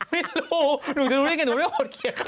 ไม่รู้หนูจะดูได้ไงหนูไม่รู้ว่าหมดเขียนเข้าเลย